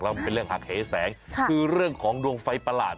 แล้วมันเป็นเรื่องหักเหแสงคือเรื่องของดวงไฟประหลาด